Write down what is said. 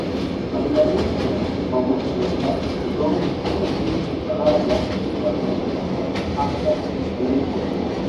Amebainishwa kuambukiza zoonotic malaria katika maeneo hayo hasa Malaysia